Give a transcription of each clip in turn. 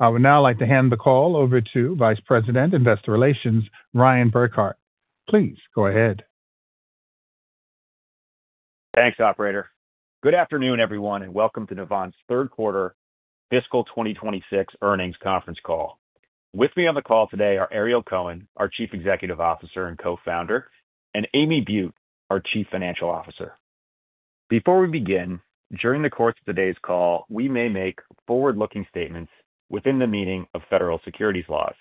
I would now like to hand the call over to Vice President of Investor Relations, Ryan Burkart. Please go ahead. Thanks, Operator. Good afternoon, everyone, and welcome to Navan's third quarter fiscal 2026 earnings conference call. With me on the call today are Ariel Cohen, our Chief Executive Officer and Co-Founder, and Amy Butte, our Chief Financial Officer. Before we begin, during the course of today's call, we may make forward-looking statements within the meaning of federal securities laws.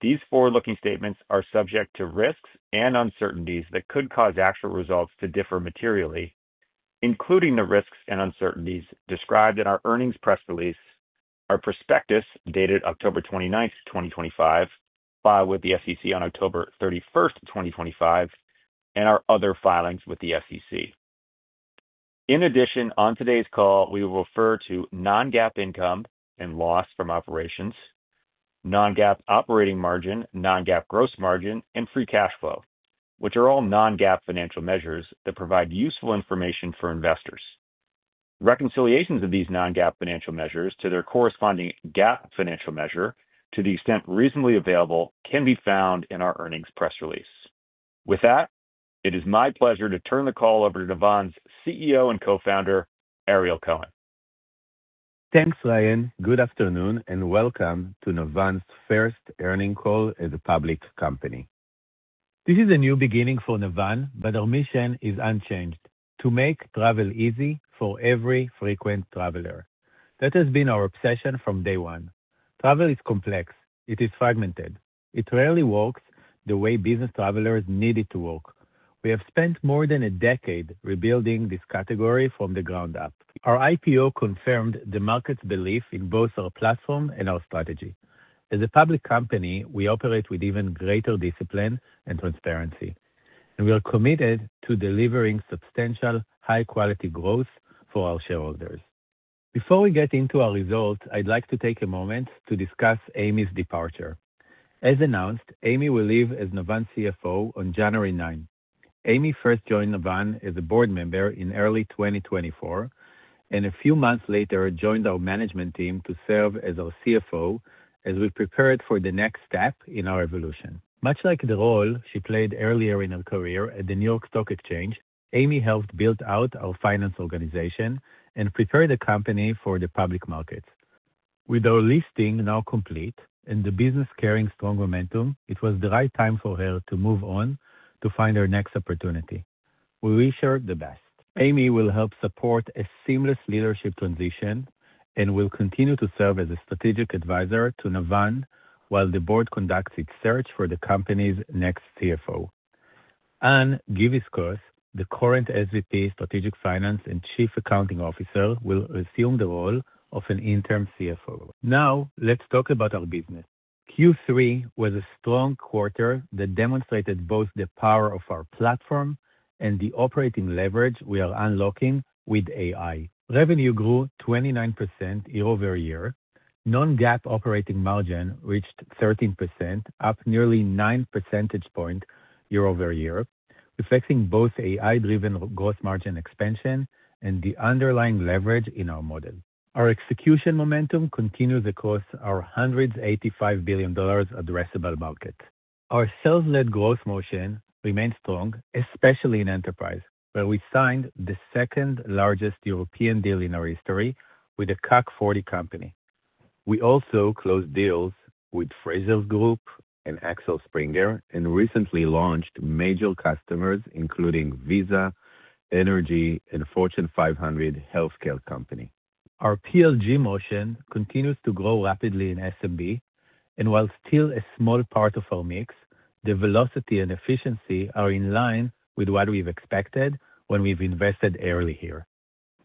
These forward-looking statements are subject to risks and uncertainties that could cause actual results to differ materially, including the risks and uncertainties described in our earnings press release, our prospectus dated October 29, 2025, filed with the SEC on October 31, 2025, and our other filings with the SEC. In addition, on today's call, we will refer to non-GAAP income and loss from operations, non-GAAP operating margin, non-GAAP gross margin, and free cash flow, which are all non-GAAP financial measures that provide useful information for investors. Reconciliations of these non-GAAP financial measures to their corresponding GAAP financial measure, to the extent reasonably available, can be found in our earnings press release. With that, it is my pleasure to turn the call over to Navan's CEO and Co-Founder, Ariel Cohen. Thanks, Ryan. Good afternoon, and welcome to Navan's first earnings call as a public company. This is a new beginning for Navan, but our mission is unchanged: to make travel easy for every frequent traveler. That has been our obsession from day one. Travel is complex. It is fragmented. It rarely works the way business travelers need it to work. We have spent more than a decade rebuilding this category from the ground up. Our IPO confirmed the market's belief in both our platform and our strategy. As a public company, we operate with even greater discipline and transparency, and we are committed to delivering substantial, high-quality growth for our shareholders. Before we get into our results, I'd like to take a moment to discuss Amy's departure. As announced, Amy will leave as Navan's CFO on January 9. Amy first joined Navan as a board member in early 2024, and a few months later joined our management team to serve as our CFO as we prepared for the next step in our evolution. Much like the role she played earlier in her career at the New York Stock Exchange, Amy helped build out our finance organization and prepared the company for the public markets. With our listing now complete and the business carrying strong momentum, it was the right time for her to move on to find her next opportunity. We wish her the best. Amy will help support a seamless leadership transition and will continue to serve as a strategic advisor to Navan while the board conducts its search for the company's next CFO. Anne Giviskos, the current SVP, Strategic Finance and Chief Accounting Officer, will assume the role of an interim CFO. Now, let's talk about our business. Q3 was a strong quarter that demonstrated both the power of our platform and the operating leverage we are unlocking with AI. Revenue grew 29% year over year. Non-GAAP operating margin reached 13%, up nearly 9 percentage points year over year, reflecting both AI-driven gross margin expansion and the underlying leverage in our model. Our execution momentum continues across our $185 billion addressable market. Our sales-led growth motion remained strong, especially in enterprise, where we signed the second-largest European deal in our history with a CAC 40 company. We also closed deals with Frasers Group and Axel Springer and recently launched major customers including Visa, Engie, and Fortune 500 healthcare companies. Our PLG motion continues to grow rapidly in SMB, and while still a small part of our mix, the velocity and efficiency are in line with what we've expected when we've invested early here.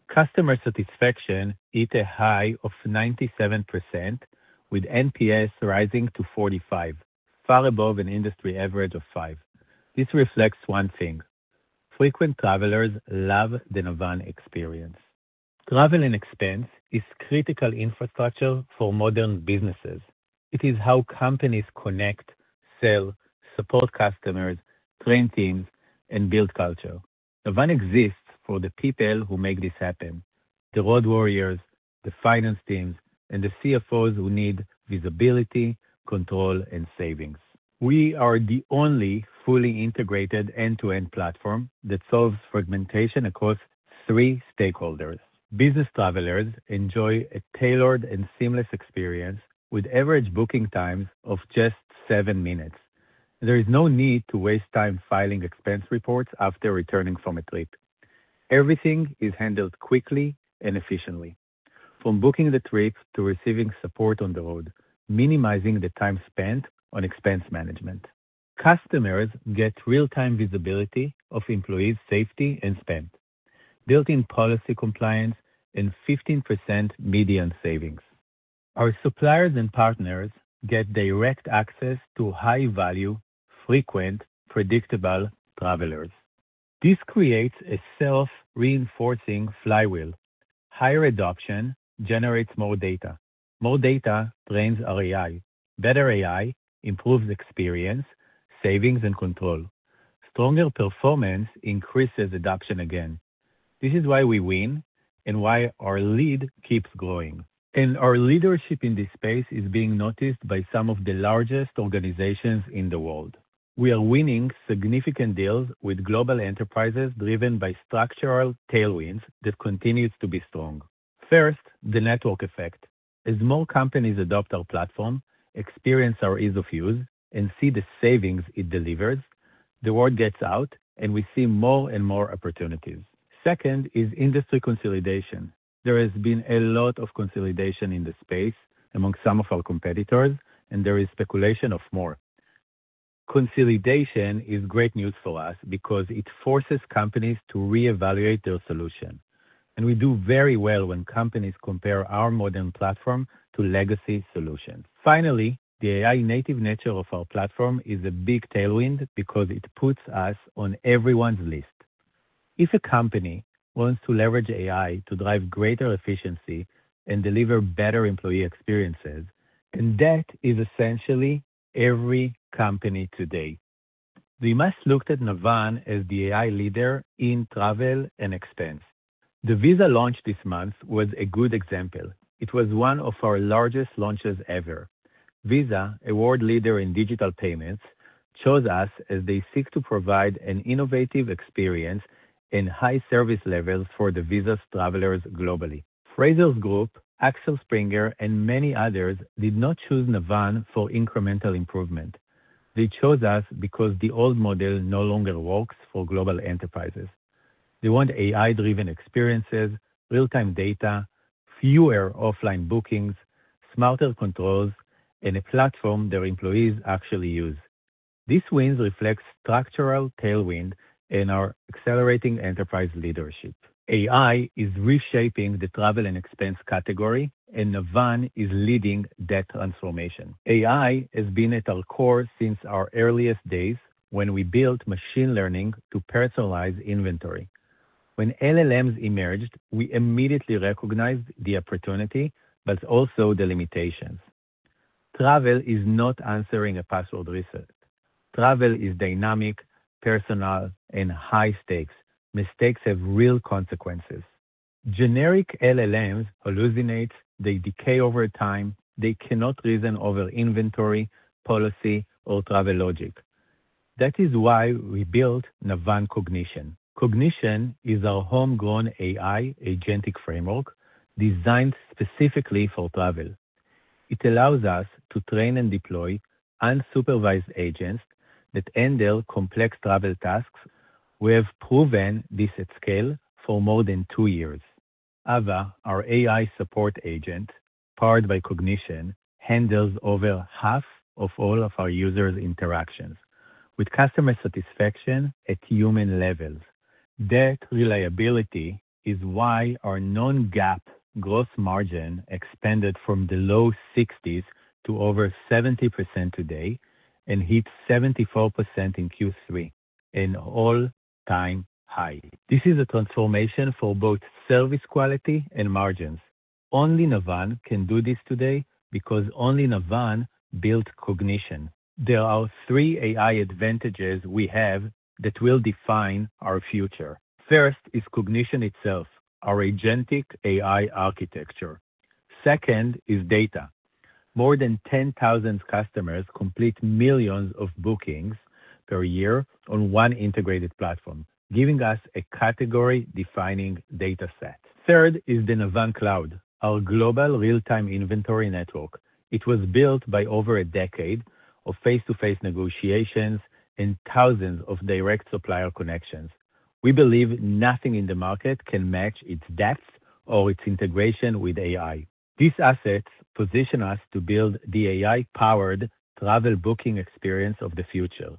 Customer satisfaction hit a high of 97%, with NPS rising to 45, far above an industry average of five. This reflects one thing: frequent travelers love the Navan experience. Travel and expense is critical infrastructure for modern businesses. It is how companies connect, sell, support customers, train teams, and build culture. Navan exists for the people who make this happen: the road warriors, the finance teams, and the CFOs who need visibility, control, and savings. We are the only fully integrated end-to-end platform that solves fragmentation across three stakeholders. Business travelers enjoy a tailored and seamless experience with average booking times of just seven minutes. There is no need to waste time filing expense reports after returning from a trip. Everything is handled quickly and efficiently, from booking the trip to receiving support on the road, minimizing the time spent on expense management. Customers get real-time visibility of employees' safety and spend, built-in policy compliance, and 15% median savings. Our suppliers and partners get direct access to high-value, frequent, predictable travelers. This creates a self-reinforcing flywheel. Higher adoption generates more data. More data trains our AI. Better AI improves experience, savings, and control. Stronger performance increases adoption again. This is why we win and why our lead keeps growing. And our leadership in this space is being noticed by some of the largest organizations in the world. We are winning significant deals with global enterprises driven by structural tailwinds that continue to be strong. First, the network effect. As more companies adopt our platform, experience our ease of use, and see the savings it delivers, the word gets out, and we see more and more opportunities. Second is industry consolidation. There has been a lot of consolidation in the space among some of our competitors, and there is speculation of more. Consolidation is great news for us because it forces companies to reevaluate their solution. And we do very well when companies compare our modern platform to legacy solutions. Finally, the AI-native nature of our platform is a big tailwind because it puts us on everyone's list. If a company wants to leverage AI to drive greater efficiency and deliver better employee experiences, and that is essentially every company today. We must look at Navan as the AI leader in travel and expense. The Visa launch this month was a good example. It was one of our largest launches ever. Visa, world leader in digital payments, chose us as they seek to provide an innovative experience and high service levels for Visa’s travelers globally. Frasers Group, Axel Springer, and many others did not choose Navan for incremental improvement. They chose us because the old model no longer works for global enterprises. They want AI-driven experiences, real-time data, fewer offline bookings, smarter controls, and a platform their employees actually use. This win reflects structural tailwind and our accelerating enterprise leadership. AI is reshaping the travel and expense category, and Navan is leading that transformation. AI has been at our core since our earliest days when we built machine learning to personalize inventory. When LLMs emerged, we immediately recognized the opportunity, but also the limitations. Travel is not answering a password reset. Travel is dynamic, personal, and high-stakes. Mistakes have real consequences. Generic LLMs hallucinate. They decay over time. They cannot reason over inventory, policy, or travel logic. That is why we built Navan Cognition. Cognition is our homegrown AI agentic framework designed specifically for travel. It allows us to train and deploy unsupervised agents that handle complex travel tasks. We have proven this at scale for more than two years. Ava, our AI support agent, powered by Cognition, handles over half of all of our users' interactions with customer satisfaction at human levels. That reliability is why our non-GAAP gross margin expanded from the low 60s to over 70% today and hit 74% in Q3, an all-time high. This is a transformation for both service quality and margins. Only Navan can do this today because only Navan built Cognition. There are three AI advantages we have that will define our future. First is Cognition itself, our agentic AI architecture. Second is data. More than 10,000 customers complete millions of bookings per year on one integrated platform, giving us a category-defining data set. Third is the Navan Cloud, our global real-time inventory network. It was built by over a decade of face-to-face negotiations and thousands of direct supplier connections. We believe nothing in the market can match its depth or its integration with AI. These assets position us to build the AI-powered travel booking experience of the future,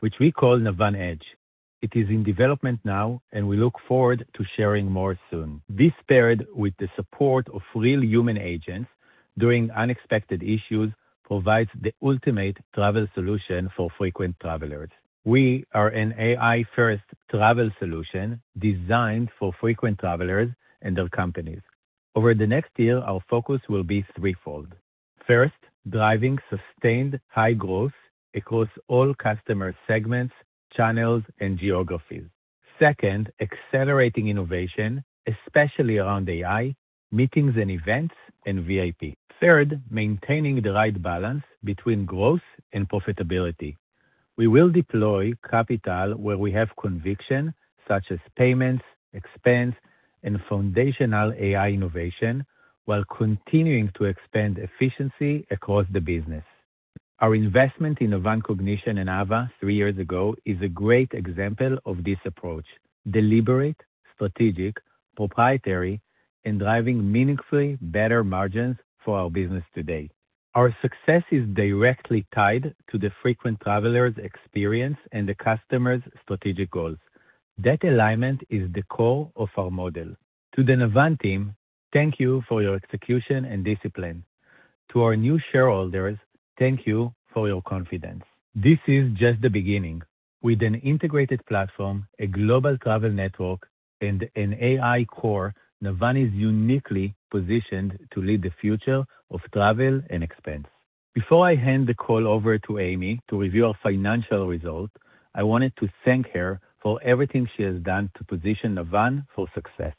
which we call Navan Edge. It is in development now, and we look forward to sharing more soon. This paired with the support of real human agents during unexpected issues provides the ultimate travel solution for frequent travelers. We are an AI-first travel solution designed for frequent travelers and their companies. Over the next year, our focus will be threefold. First, driving sustained high growth across all customer segments, channels, and geographies. Second, accelerating innovation, especially around AI meetings and events and VIP. Third, maintaining the right balance between growth and profitability. We will deploy capital where we have conviction, such as payments, expense, and foundational AI innovation, while continuing to expand efficiency across the business. Our investment in Navan Cognition and Ava three years ago is a great example of this approach: deliberate, strategic, proprietary, and driving meaningfully better margins for our business today. Our success is directly tied to the frequent travelers' experience and the customers' strategic goals. That alignment is the core of our model. To the Navan team, thank you for your execution and discipline. To our new shareholders, thank you for your confidence. This is just the beginning. With an integrated platform, a global travel network, and an AI core, Navan is uniquely positioned to lead the future of travel and expense. Before I hand the call over to Amy to review our financial results, I wanted to thank her for everything she has done to position Navan for success.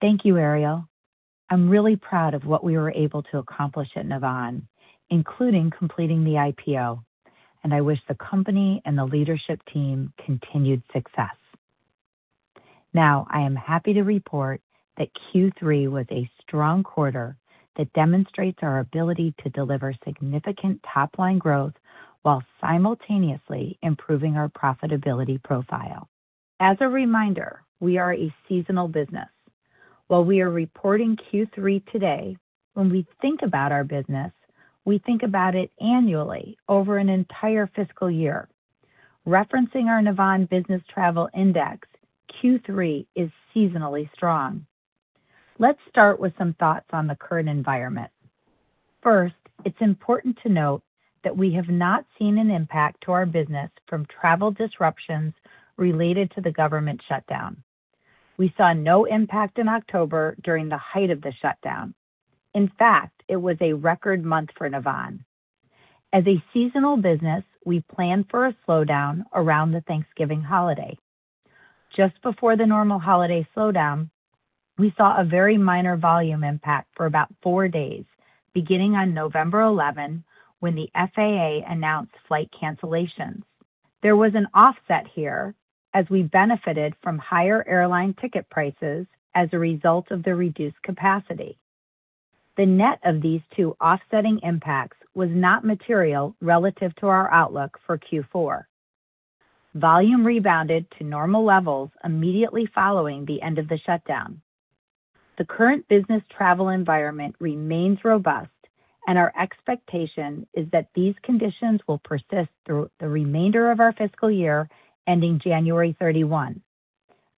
Thank you, Ariel. I'm really proud of what we were able to accomplish at Navan, including completing the IPO, and I wish the company and the leadership team continued success. Now, I am happy to report that Q3 was a strong quarter that demonstrates our ability to deliver significant top-line growth while simultaneously improving our profitability profile. As a reminder, we are a seasonal business. While we are reporting Q3 today, when we think about our business, we think about it annually over an entire fiscal year. Referencing our Navan Business Travel Index, Q3 is seasonally strong. Let's start with some thoughts on the current environment. First, it's important to note that we have not seen an impact to our business from travel disruptions related to the government shutdown. We saw no impact in October during the height of the shutdown. In fact, it was a record month for Navan. As a seasonal business, we planned for a slowdown around the Thanksgiving holiday. Just before the normal holiday slowdown, we saw a very minor volume impact for about four days, beginning on November 11 when the FAA announced flight cancellations. There was an offset here as we benefited from higher airline ticket prices as a result of the reduced capacity. The net of these two offsetting impacts was not material relative to our outlook for Q4. Volume rebounded to normal levels immediately following the end of the shutdown. The current business travel environment remains robust, and our expectation is that these conditions will persist through the remainder of our fiscal year ending January 31.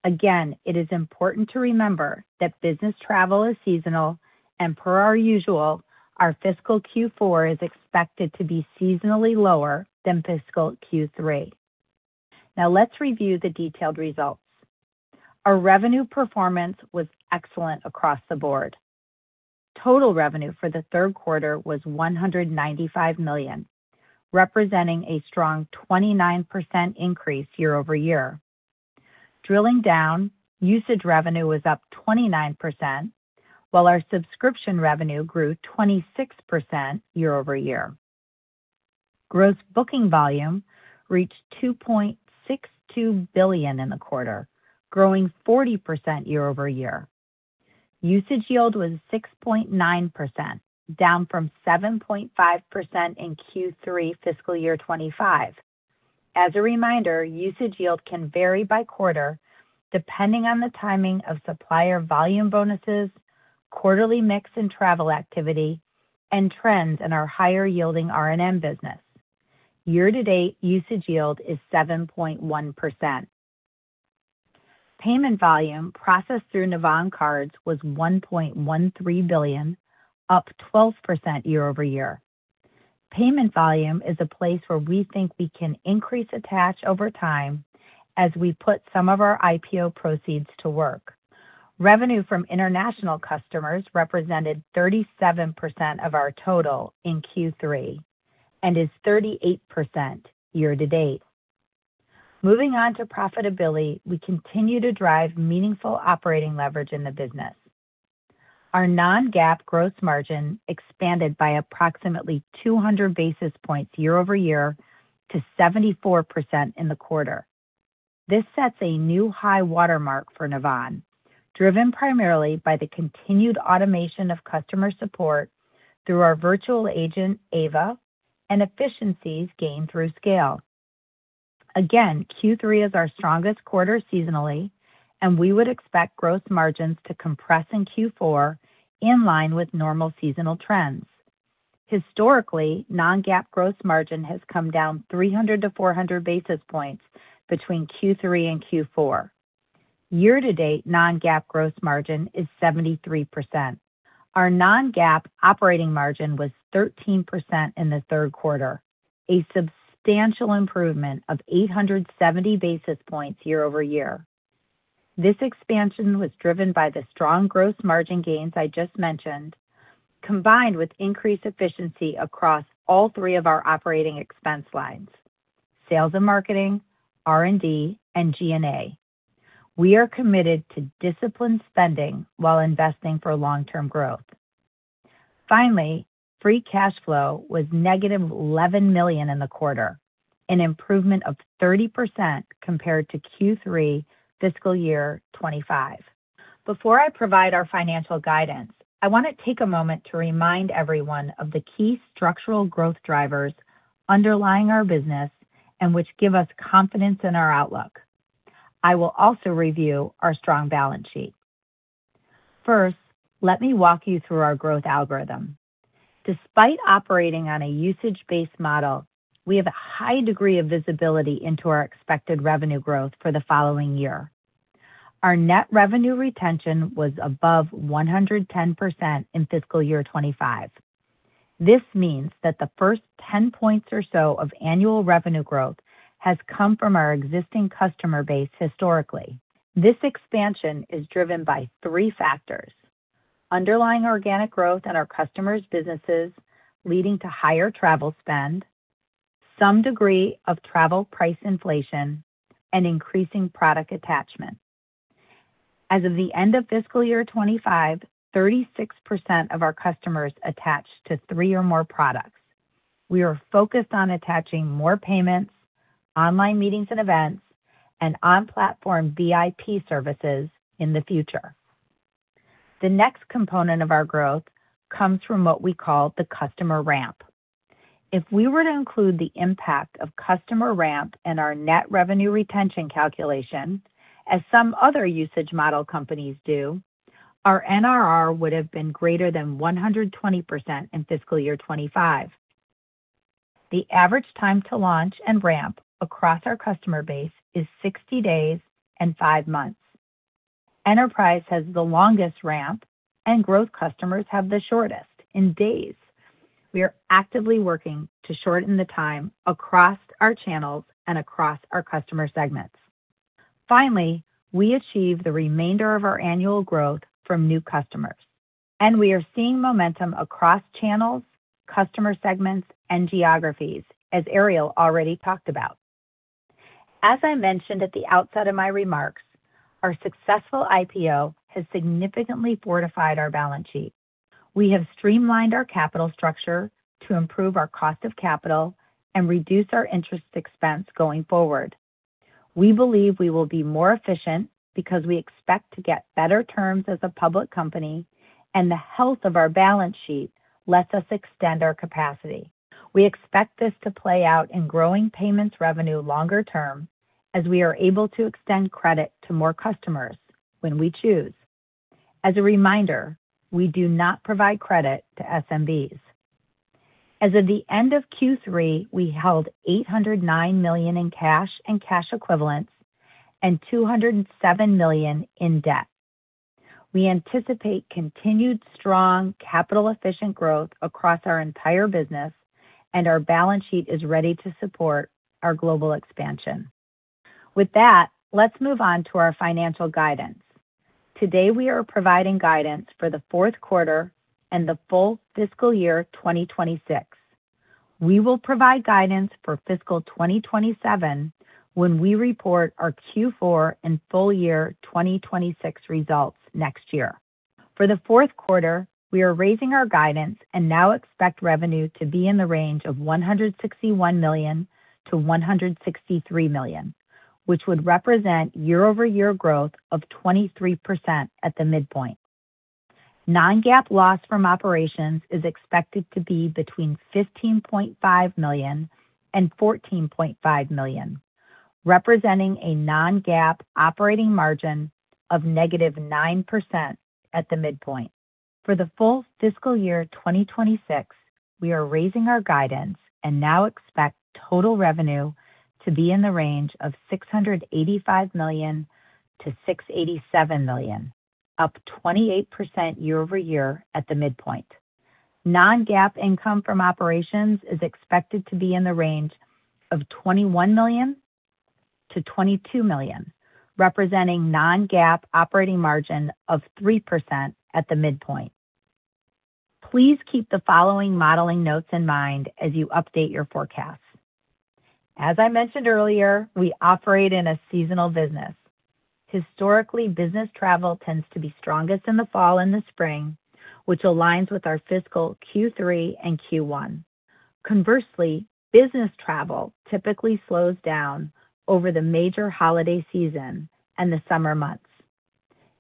Again, it is important to remember that business travel is seasonal, and per our usual, our fiscal Q4 is expected to be seasonally lower than fiscal Q3. Now, let's review the detailed results. Our revenue performance was excellent across the board. Total revenue for the third quarter was $195 million, representing a strong 29% increase year over year. Drilling down, usage revenue was up 29%, while our subscription revenue grew 26% year over year. Gross booking volume reached $2.62 billion in the quarter, growing 40% year over year. Usage yield was 6.9%, down from 7.5% in Q3 fiscal year 2025. As a reminder, usage yield can vary by quarter depending on the timing of supplier volume bonuses, quarterly mix in travel activity, and trends in our higher-yielding R&M business. Year-to-date usage yield is 7.1%. Payment volume processed through Navan Cards was $1.13 billion, up 12% year over year. Payment volume is a place where we think we can increase attach over time as we put some of our IPO proceeds to work. Revenue from international customers represented 37% of our total in Q3 and is 38% year-to-date. Moving on to profitability, we continue to drive meaningful operating leverage in the business. Our non-GAAP gross margin expanded by approximately 200 basis points year over year to 74% in the quarter. This sets a new high watermark for Navan, driven primarily by the continued automation of customer support through our virtual agent, Ava, and efficiencies gained through scale. Again, Q3 is our strongest quarter seasonally, and we would expect gross margins to compress in Q4 in line with normal seasonal trends. Historically, non-GAAP gross margin has come down 300-400 basis points between Q3 and Q4. Year-to-date non-GAAP gross margin is 73%. Our non-GAAP operating margin was 13% in the third quarter, a substantial improvement of 870 basis points year over year. This expansion was driven by the strong gross margin gains I just mentioned, combined with increased efficiency across all three of our operating expense lines: sales and marketing, R&D, and G&A. We are committed to disciplined spending while investing for long-term growth. Finally, free cash flow was -$11 million in the quarter, an improvement of 30% compared to Q3 fiscal year 2025. Before I provide our financial guidance, I want to take a moment to remind everyone of the key structural growth drivers underlying our business and which give us confidence in our outlook. I will also review our strong balance sheet. First, let me walk you through our growth algorithm. Despite operating on a usage-based model, we have a high degree of visibility into our expected revenue growth for the following year. Our net revenue retention was above 110% in fiscal year 2025. This means that the first 10 points or so of annual revenue growth has come from our existing customer base historically. This expansion is driven by three factors: underlying organic growth in our customers' businesses leading to higher travel spend, some degree of travel price inflation, and increasing product attachment. As of the end of fiscal year 2025, 36% of our customers attached to three or more products. We are focused on attaching more payments, online meetings and events, and on-platform VIP services in the future. The next component of our growth comes from what we call the customer ramp. If we were to include the impact of customer ramp in our net revenue retention calculation, as some other usage model companies do, our NRR would have been greater than 120% in fiscal year 2025. The average time to launch and ramp across our customer base is 60 days and five months. Enterprise has the longest ramp, and growth customers have the shortest in days. We are actively working to shorten the time across our channels and across our customer segments. Finally, we achieve the remainder of our annual growth from new customers, and we are seeing momentum across channels, customer segments, and geographies, as Ariel already talked about. As I mentioned at the outset of my remarks, our successful IPO has significantly fortified our balance sheet. We have streamlined our capital structure to improve our cost of capital and reduce our interest expense going forward. We believe we will be more efficient because we expect to get better terms as a public company, and the health of our balance sheet lets us extend our capacity. We expect this to play out in growing payments revenue longer term as we are able to extend credit to more customers when we choose. As a reminder, we do not provide credit to SMBs. As of the end of Q3, we held $809 million in cash and cash equivalents and $207 million in debt. We anticipate continued strong capital-efficient growth across our entire business, and our balance sheet is ready to support our global expansion. With that, let's move on to our financial guidance. Today, we are providing guidance for the fourth quarter and the full fiscal year 2026. We will provide guidance for fiscal 2027 when we report our Q4 and full year 2026 results next year. For the fourth quarter, we are raising our guidance and now expect revenue to be in the range of $161 million-$163 million, which would represent year-over-year growth of 23% at the midpoint. Non-GAAP loss from operations is expected to be between $15.5 million-$14.5 million, representing a non-GAAP operating margin of -9% at the midpoint. For the full fiscal year 2026, we are raising our guidance and now expect total revenue to be in the range of $685 million-$687 million, up 28% year-over-year at the midpoint. Non-GAAP income from operations is expected to be in the range of $21 million-$22 million, representing non-GAAP operating margin of 3% at the midpoint. Please keep the following modeling notes in mind as you update your forecast. As I mentioned earlier, we operate in a seasonal business. Historically, business travel tends to be strongest in the fall and the spring, which aligns with our fiscal Q3 and Q1. Conversely, business travel typically slows down over the major holiday season and the summer months.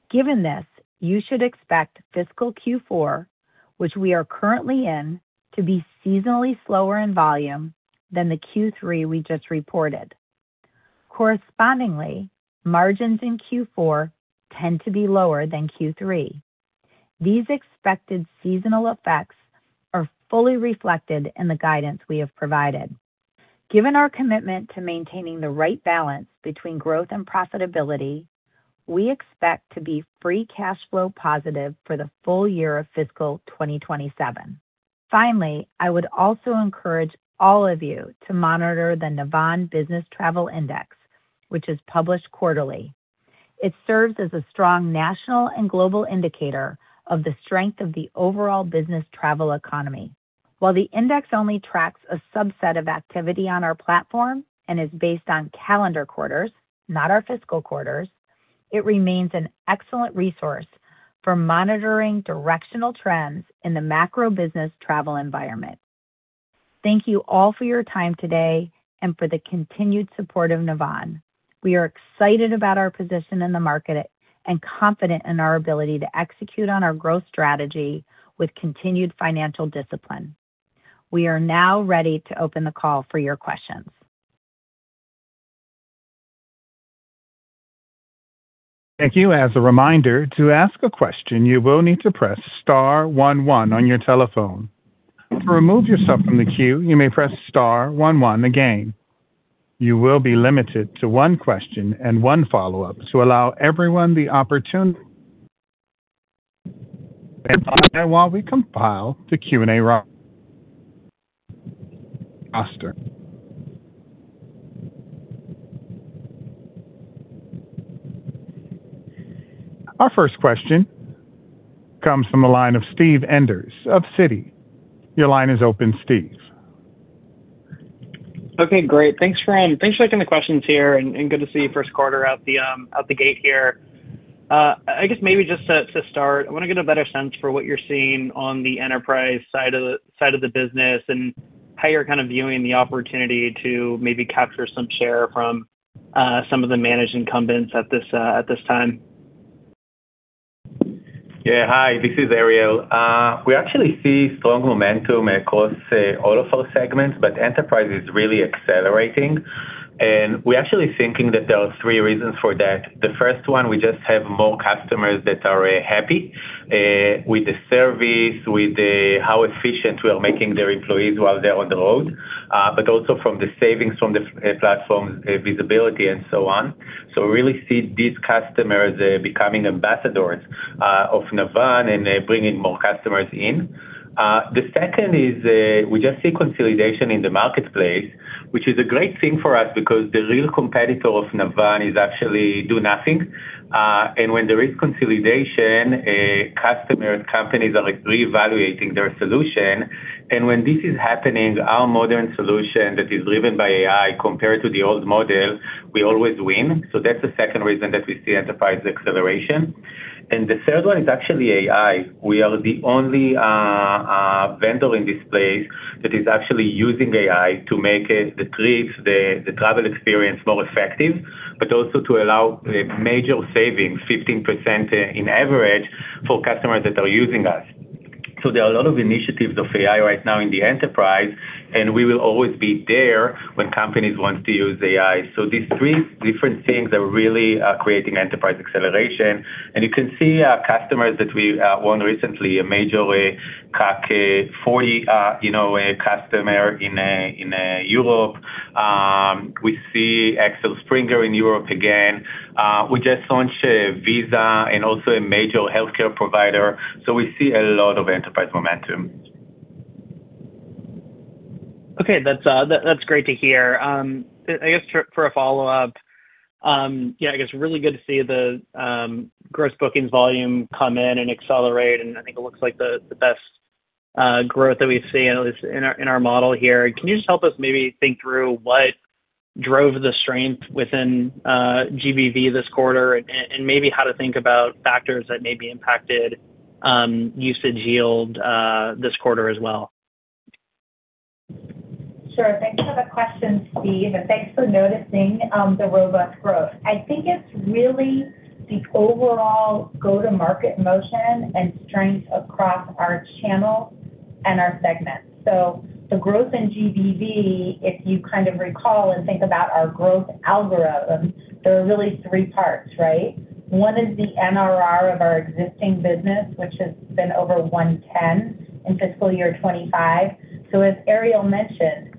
Given this, you should expect fiscal Q4, which we are currently in, to be seasonally slower in volume than the Q3 we just reported. Correspondingly, margins in Q4 tend to be lower than Q3. These expected seasonal effects are fully reflected in the guidance we have provided. Given our commitment to maintaining the right balance between growth and profitability, we expect to be free cash flow positive for the full year of fiscal 2027. Finally, I would also encourage all of you to monitor the Navan Business Travel Index, which is published quarterly. It serves as a strong national and global indicator of the strength of the overall business travel economy. While the index only tracks a subset of activity on our platform and is based on calendar quarters, not our fiscal quarters, it remains an excellent resource for monitoring directional trends in the macro business travel environment. Thank you all for your time today and for the continued support of Navan. We are excited about our position in the market and confident in our ability to execute on our growth strategy with continued financial discipline. We are now ready to open the call for your questions. Thank you. As a reminder, to ask a question, you will need to press star one one on your telephone. To remove yourself from the queue, you may press star one one again. You will be limited to one question and one follow-up to allow everyone the opportunity to respond while we compile the Q&A roster. Our first question comes from the line of Steve Enders of Citi. Your line is open, Steve. Okay, great. Thanks for taking the questions here, and good to see you first quarter out the gate here. I guess maybe just to start, I want to get a better sense for what you're seeing on the enterprise side of the business and how you're kind of viewing the opportunity to maybe capture some share from some of the managed incumbents at this time. Yeah, hi. This is Ariel. We actually see strong momentum across all of our segments, but enterprise is really accelerating, and we're actually thinking that there are three reasons for that. The first one, we just have more customers that are happy with the service, with how efficient we are making their employees while they're on the road, but also from the savings from the platform visibility and so on, so we really see these customers becoming ambassadors of Navan and bringing more customers in. The second is we just see consolidation in the marketplace, which is a great thing for us because the real competitor of Navan is actually do nothing, and when there is consolidation, customers, companies are reevaluating their solution, and when this is happening, our modern solution that is driven by AI compared to the old model, we always win, so that's the second reason that we see enterprise acceleration. The third one is actually AI. We are the only vendor in this place that is actually using AI to make the trips, the travel experience more effective, but also to allow major savings, 15% on average for customers that are using us. There are a lot of initiatives of AI right now in the enterprise, and we will always be there when companies want to use AI. These three different things are really creating enterprise acceleration. You can see our customers that we won recently, a major CAC 40 customer in Europe. We see Axel Springer in Europe again. We just launched Visa and also a major healthcare provider. We see a lot of enterprise momentum. Okay, that's great to hear. I guess for a follow-up, yeah, I guess really good to see the gross bookings volume come in and accelerate. And I think it looks like the best growth that we've seen in our model here. Can you just help us maybe think through what drove the strength within GBV this quarter and maybe how to think about factors that may be impacted usage yield this quarter as well? Sure. Thanks for the question, Steve. And thanks for noticing the robust growth. I think it's really the overall go-to-market motion and strength across our channel and our segment. So the growth in GBV, if you kind of recall and think about our growth algorithm, there are really three parts, right? One is the NRR of our existing business, which has been over 110 in fiscal year 2025. So as Ariel mentioned,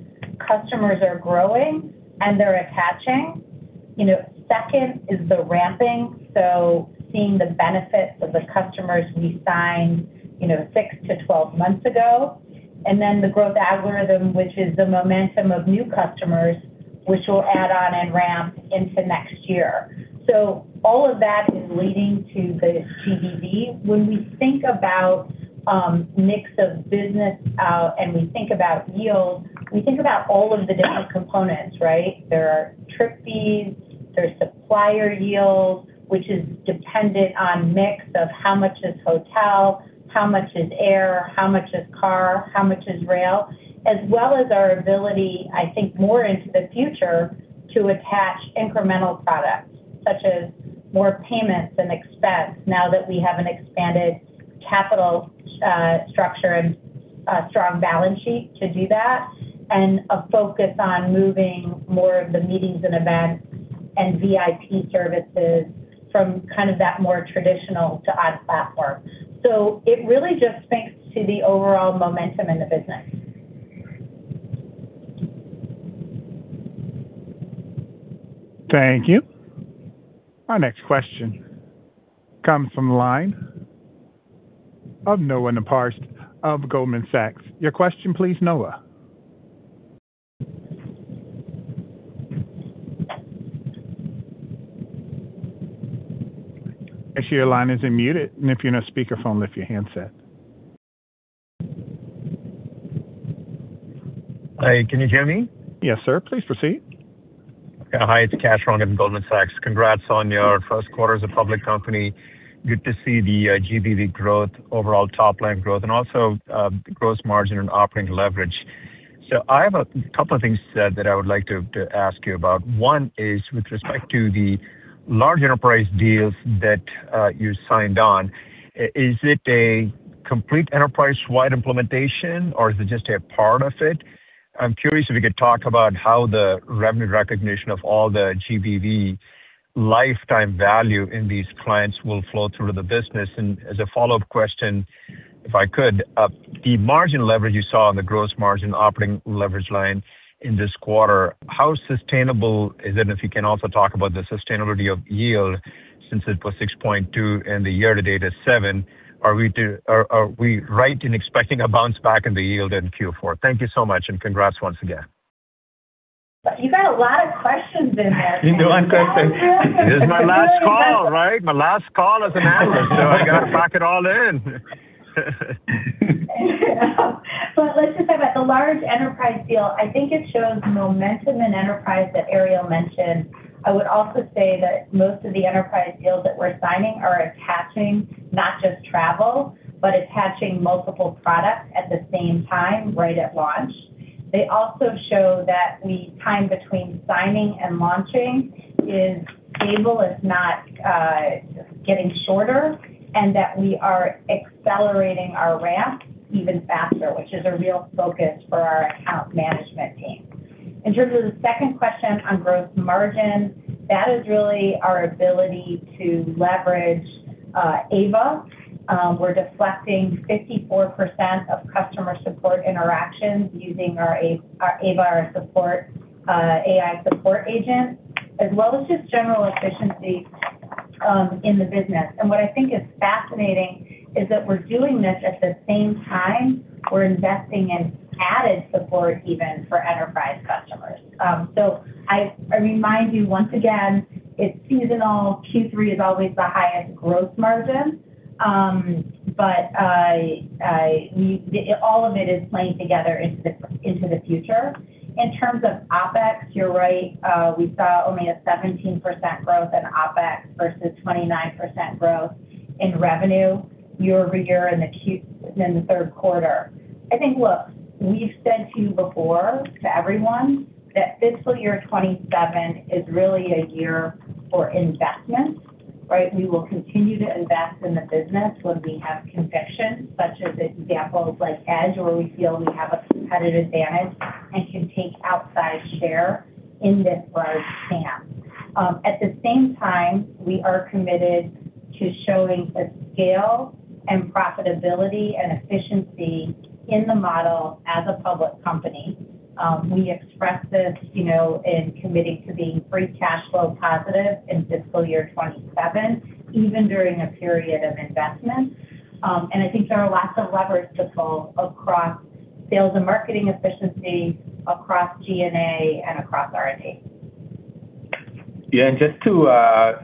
customers are growing and they're attaching. Second is the ramping, so seeing the benefits of the customers we signed six to 12 months ago. And then the growth algorithm, which is the momentum of new customers, which will add on and ramp into next year. So all of that is leading to the GBV. When we think about mix of business and we think about yield, we think about all of the different components, right? There are trip fees, there's supplier yield, which is dependent on mix of how much is hotel, how much is air, how much is car, how much is rail, as well as our ability, I think, more into the future to attach incremental products such as more payments and expense now that we have an expanded capital structure and strong balance sheet to do that, and a focus on moving more of the meetings and events and VIP services from kind of that more traditional to on-platform. So it really just speaks to the overall momentum in the business. Thank you. Our next question comes from the line of Noah Naparst of Goldman Sachs. Your question, please, Noah. I see your line is muted, and if you're in a speakerphone, lift your handset. Hi, can you hear me? Yes, sir. Please proceed. Hi, it's Kash Rangan at Goldman Sachs. Congrats on your first quarter as a public company. Good to see the GBV growth, overall top-line growth, and also gross margin and operating leverage. So I have a couple of things that I would like to ask you about. One is with respect to the large enterprise deals that you signed on. Is it a complete enterprise-wide implementation, or is it just a part of it? I'm curious if we could talk about how the revenue recognition of all the GBV lifetime value in these clients will flow through the business. As a follow-up question, if I could, the margin leverage you saw on the gross margin operating leverage line in this quarter, how sustainable is it? If you can also talk about the sustainability of yield since it was 6.2 and the year-to-date is 7, are we right in expecting a bounce back in the yield in Q4? Thank you so much, and congrats once again. You got a lot of questions in there. You know what I'm saying? This is my last call, right? My last call as an analyst, so I got to pack it all in. Let's just talk about the large enterprise deal. I think it shows momentum in enterprise that Ariel mentioned. I would also say that most of the enterprise deals that we're signing are attaching not just travel, but attaching multiple products at the same time right at launch. They also show that the time between signing and launching is stable, if not getting shorter, and that we are accelerating our ramp even faster, which is a real focus for our account management team. In terms of the second question on gross margin, that is really our ability to leverage Ava. We're deflecting 54% of customer support interactions using our Ava, our AI support agent, as well as just general efficiency in the business. And what I think is fascinating is that we're doing this at the same time we're investing in added support even for enterprise customers. So I remind you once again, it's seasonal. Q3 is always the highest gross margin, but all of it is playing together into the future. In terms of OpEx, you're right. We saw only a 17% growth in OpEx versus 29% growth in revenue year-over-year in the third quarter. I think, look, we've said to you before, to everyone, that fiscal year 2027 is really a year for investment, right? We will continue to invest in the business when we have conviction, such as examples like Edge, where we feel we have a competitive advantage and can take outside share in this large camp. At the same time, we are committed to showing the scale and profitability and efficiency in the model as a public company. We express this in committing to being free cash flow positive in fiscal year 2027, even during a period of investment. And I think there are lots of levers to pull across sales and marketing efficiency, across G&A, and across R&D. Yeah, and just to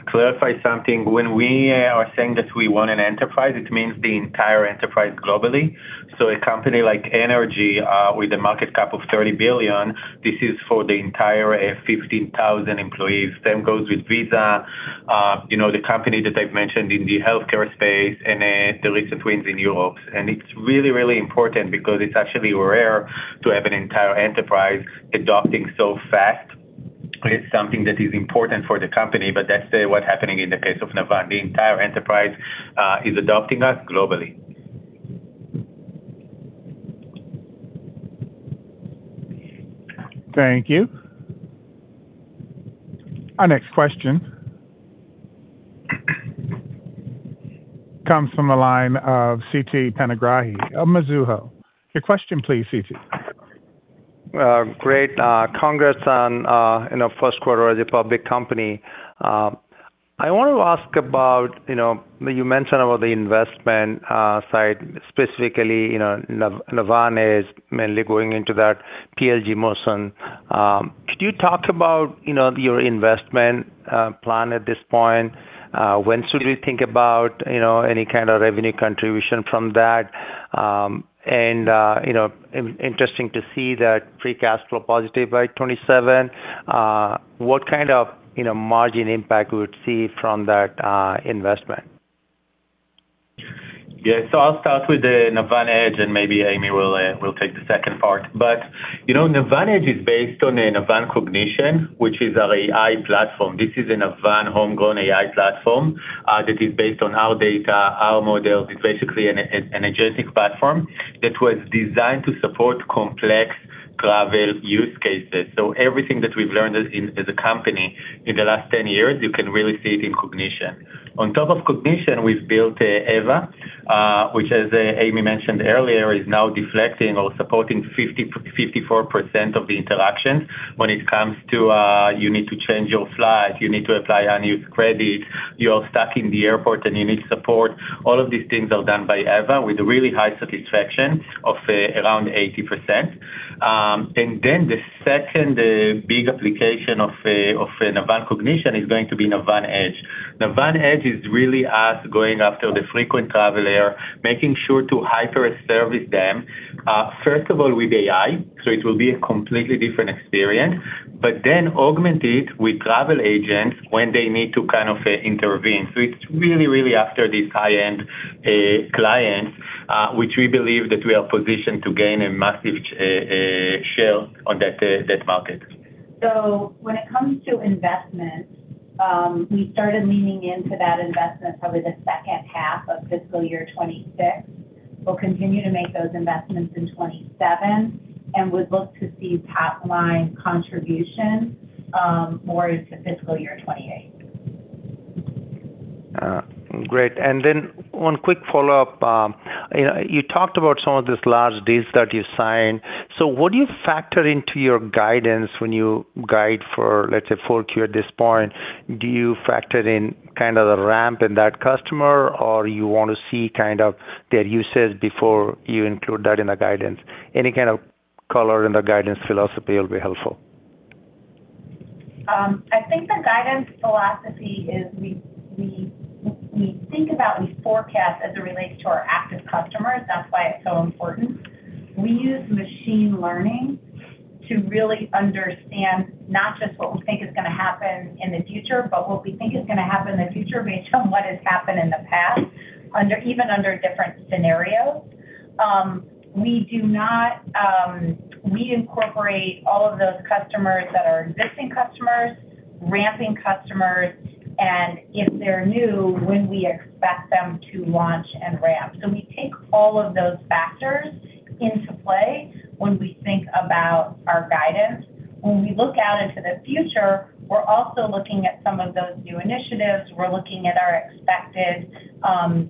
clarify something, when we are saying that we want an enterprise, it means the entire enterprise globally. So a company like Engie, with a market cap of $30 billion, this is for the entire 15,000 employees. Same goes with Visa, the company that I've mentioned in the healthcare space, and the recent wins in Europe. And it's really, really important because it's actually rare to have an entire enterprise adopting so fast. It's something that is important for the company, but that's what's happening in the case of Navan. The entire enterprise is adopting us globally. Thank you. Our next question comes from the line of Siti Panigrahi of Mizuho, your question, please, Siti. Great. Congrats on your first quarter as a public company. I want to ask about you mentioned about the investment side, specifically Navan is mainly going into that PLG motion. Could you talk about your investment plan at this point? When should we think about any kind of revenue contribution from that? Interesting to see that free cash flow positive by 2027. What kind of margin impact would we see from that investment? Yeah, so I'll start with Navan Edge, and maybe Amy will take the second part. Navan Edge is based on a Navan Cognition, which is our AI platform. This is a Navan homegrown AI platform that is based on our data, our models. It's basically an agentic platform that was designed to support complex travel use cases. Everything that we've learned as a company in the last 10 years, you can really see it in Cognition. On top of Cognition, we've built Ava, which, as Amy mentioned earlier, is now deflecting or supporting 54% of the interactions when it comes to, "You need to change your flight. You need to apply unused credits. You're stuck in the airport, and you need support." All of these things are done by Ava with really high satisfaction of around 80%. And then the second big application of Navan Cognition is going to be Navan Edge. Navan Edge is really us going after the frequent traveler, making sure to hyper-service them, first of all with AI, so it will be a completely different experience, but then augment it with travel agents when they need to kind of intervene. So it's really, really after these high-end clients, which we believe that we are positioned to gain a massive share on that market. So when it comes to investment, we started leaning into that investment probably the second half of fiscal year 2026. We'll continue to make those investments in 2027, and we'd look to see top-line contribution more into fiscal year 2028. Great. And then one quick follow-up. You talked about some of these large deals that you signed. So what do you factor into your guidance when you guide for, let's say, 4Q at this point? Do you factor in kind of the ramp in that customer, or do you want to see kind of their usage before you include that in the guidance? Any kind of color in the guidance philosophy will be helpful. I think the guidance philosophy is we think about and forecast as it relates to our active customers. That's why it's so important. We use machine learning to really understand not just what we think is going to happen in the future, but what we think is going to happen in the future based on what has happened in the past, even under different scenarios. We incorporate all of those customers that are existing customers, ramping customers, and if they're new, when we expect them to launch and ramp. So we take all of those factors into play when we think about our guidance. When we look out into the future, we're also looking at some of those new initiatives. We're looking at our expected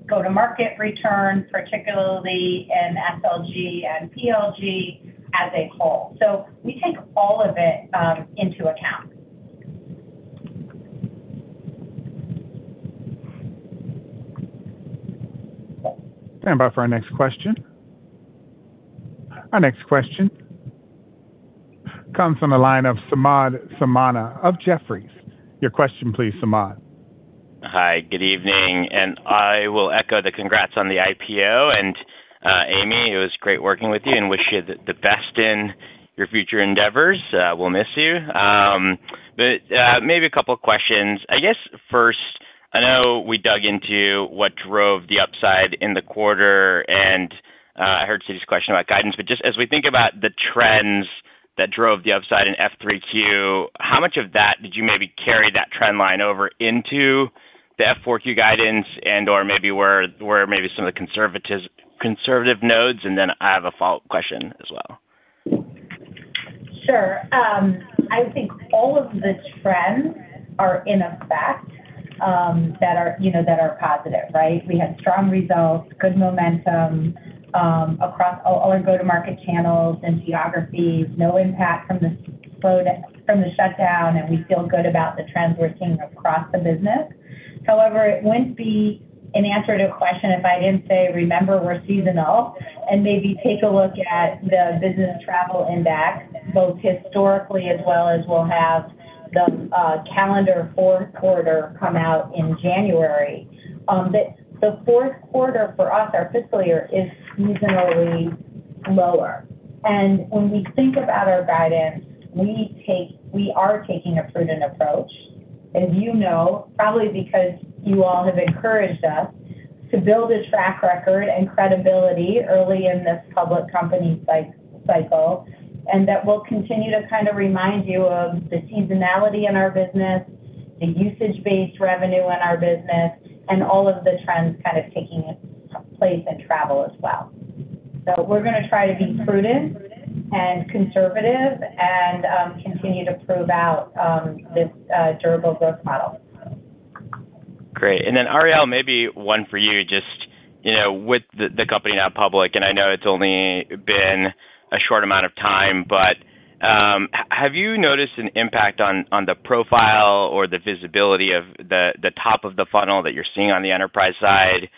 go-to-market return, particularly in SLG and PLG as a whole. So we take all of it into account. Turn back for our next question. Our next question comes from the line of Samad Samana of Jefferies. Your question, please, Samad. Hi, good evening. And I will echo the congrats on the IPO. And Amy, it was great working with you and wish you the best in your future endeavors. We'll miss you. But maybe a couple of questions. I guess first, I know we dug into what drove the upside in the quarter, and I heard Siti's question about guidance. But just as we think about the trends that drove the upside in F3Q, how much of that did you maybe carry that trend line over into the 4Q guidance and/or maybe where some of the conservative nodes? And then I have a follow-up question as well. Sure. I think all of the trends are in effect that are positive, right? We had strong results, good momentum across all our go-to-market channels and geographies, no impact from the shutdown, and we feel good about the trends we're seeing across the business. However, it wouldn't be an answer to a question if I didn't say, "Remember, we're seasonal," and maybe take a look at the business travel impact, both historically as well as we'll have the calendar fourth quarter come out in January. The fourth quarter for us, our fiscal year, is seasonally lower, and when we think about our guidance, we are taking a prudent approach, as you know, probably because you all have encouraged us to build a track record and credibility early in this public company cycle, and that we'll continue to kind of remind you of the seasonality in our business, the usage-based revenue in our business, and all of the trends kind of taking place in travel as well, so we're going to try to be prudent and conservative and continue to prove out this durable growth model. Great. And then, Ariel, maybe one for you, just with the company now public, and I know it's only been a short amount of time, but have you noticed an impact on the profile or the visibility of the top of the funnel that you're seeing on the enterprise side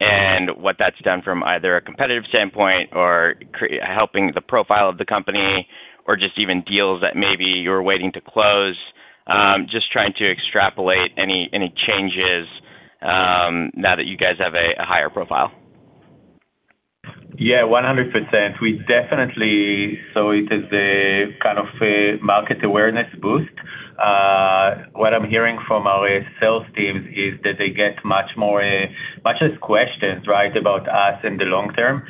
and what that's done from either a competitive standpoint or helping the profile of the company or just even deals that maybe you're waiting to close, just trying to extrapolate any changes now that you guys have a higher profile? Yeah, 100%. We definitely saw it as a kind of market awareness boost. What I'm hearing from our sales teams is that they get much less questions, right, about us in the long term.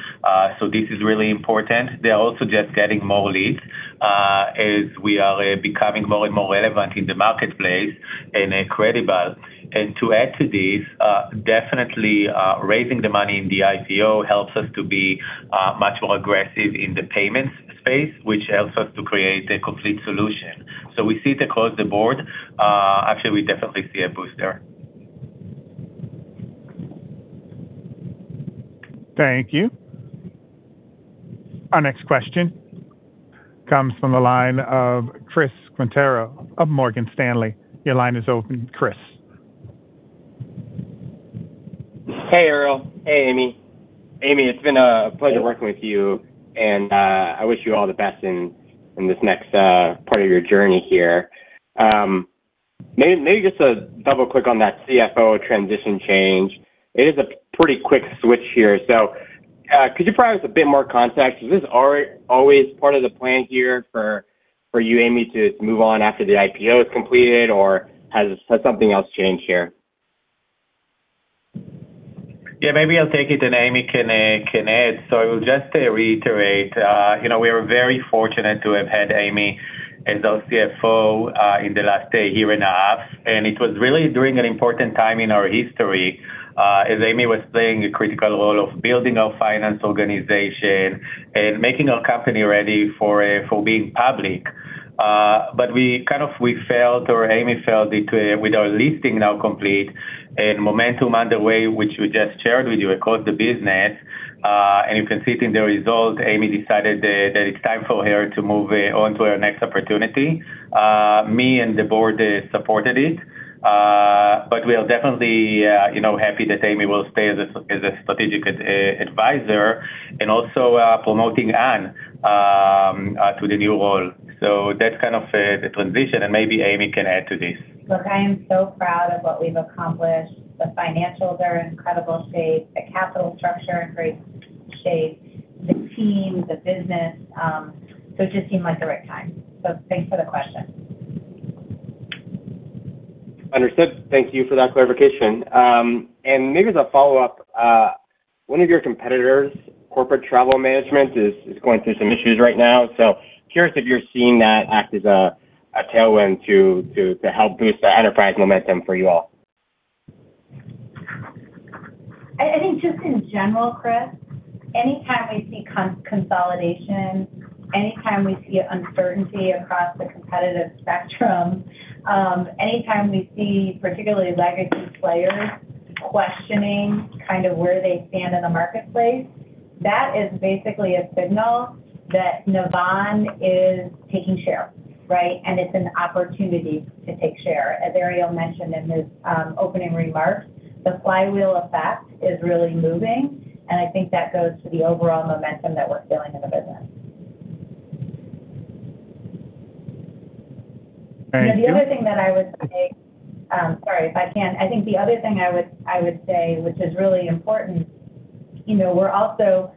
So this is really important. They're also just getting more leads as we are becoming more and more relevant in the marketplace and credible. And to add to this, definitely raising the money in the IPO helps us to be much more aggressive in the payments space, which helps us to create a complete solution. So we see it across the board. Actually, we definitely see a boost there. Thank you. Our next question comes from the line of Chris Quintero of Morgan Stanley. Your line is open, Chris. Hey, Ariel. Hey, Amy. Amy, it's been a pleasure working with you, and I wish you all the best in this next part of your journey here. Maybe just to double-click on that CFO transition change. It is a pretty quick switch here. So could you provide us a bit more context? Is this always part of the plan here for you, Amy, to move on after the IPO is completed, or has something else changed here? Yeah, maybe I'll take it, and Amy can add, so I will just reiterate. We are very fortunate to have had Amy as our CFO in the last year and a half, and it was really during an important time in our history as Amy was playing a critical role of building our finance organization and making our company ready for being public, but we kind of felt or Amy felt with our listing now complete and momentum underway, which we just shared with you across the business, and you can see it in the results. Amy decided that it's time for her to move on to her next opportunity. Me and the board supported it, but we are definitely happy that Amy will stay as a strategic advisor and also promoting Anne to the new role, so that's kind of the transition, and maybe Amy can add to this. Look, I am so proud of what we've accomplished. The financials are in incredible shape. The capital structure is in great shape. The team, the business, so it just seemed like the right time. So thanks for the question. Understood. Thank you for that clarification. And maybe as a follow-up, one of your competitors, Corporate Travel Management, is going through some issues right now. So curious if you're seeing that act as a tailwind to help boost the enterprise momentum for you all. I think just in general, Chris, anytime we see consolidation, anytime we see uncertainty across the competitive spectrum, anytime we see particularly legacy players questioning kind of where they stand in the marketplace, that is basically a signal that Navan is taking share, right? And it's an opportunity to take share. As Ariel mentioned in his opening remarks, the flywheel effect is really moving, and I think that goes to the overall momentum that we're feeling in the business. And the other thing that I would say, sorry, if I can, I think the other thing I would say, which is really important, we're also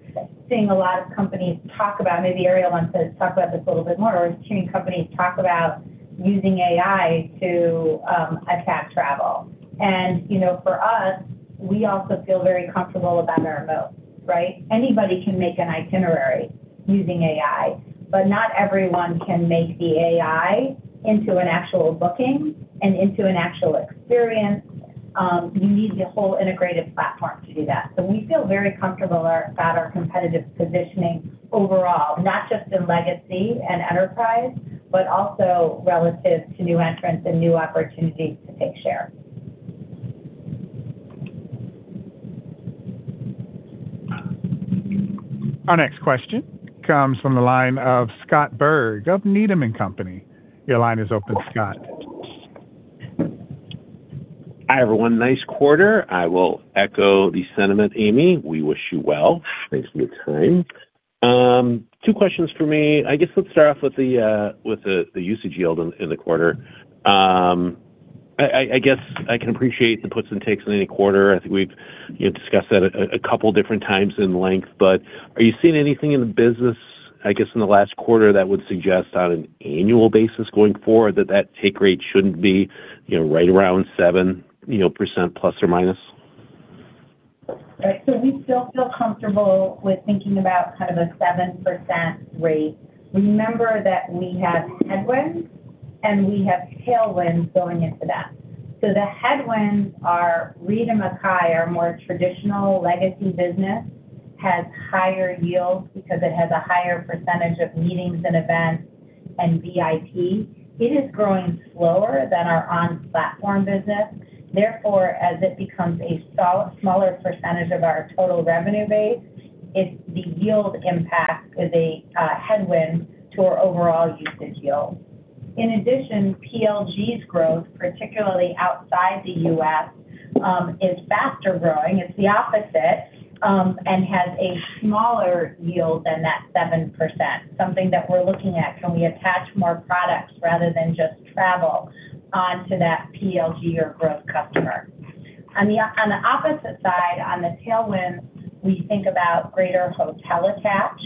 seeing a lot of companies talk about, maybe Ariel wants to talk about this a little bit more, we're seeing companies talk about using AI to attack travel. And for us, we also feel very comfortable about our moat, right? Anybody can make an itinerary using AI, but not everyone can make the AI into an actual booking and into an actual experience. You need the whole integrated platform to do that. So we feel very comfortable about our competitive positioning overall, not just in legacy and enterprise, but also relative to new entrants and new opportunities to take share. Our next question comes from the line of Scott Berg of Needham & Company. Your line is open, Scott. Hi, everyone. Nice quarter. I will echo the sentiment, Amy. We wish you well. Thanks for your time. Two questions for me. I guess let's start off with the usage yield in the quarter. I guess I can appreciate the puts and takes in any quarter. I think we've discussed that a couple of different times in length, but are you seeing anything in the business, I guess, in the last quarter that would suggest on an annual basis going forward that that take rate shouldn't be right around 7% plus or minus? Right. So we still feel comfortable with thinking about kind of a 7% rate. Remember that we have headwinds and we have tailwinds going into that. So the headwinds are Reed & Mackay, our more traditional legacy business, has higher yields because it has a higher percentage of meetings and events and VIP. It is growing slower than our on-platform business. Therefore, as it becomes a smaller percentage of our total revenue base, the yield impact is a headwind to our overall usage yield. In addition, PLG's growth, particularly outside the U.S., is faster growing. It's the opposite and has a smaller yield than that 7%, something that we're looking at. Can we attach more products rather than just travel onto that PLG or growth customer? On the opposite side, on the tailwinds, we think about greater hotel attach.